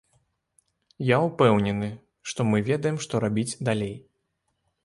Я ўпэўнены, што мы ведаем, што рабіць далей.